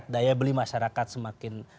daya beli masyarakat semakin